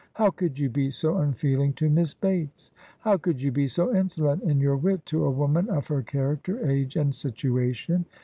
How could you be so unfeel ing to Miss Bates? How could you be so insolent in your wit to a woman of her character, age, and situation?